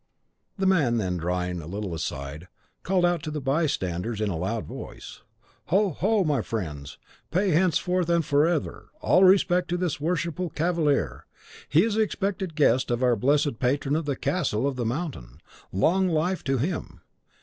The man then, drawing a little aside, called out to the bystanders in a loud voice, "Ho, ho! my friends, pay henceforth and forever all respect to this worshipful cavalier. He is the expected guest of our blessed patron of the Castle of the Mountain. Long life to him!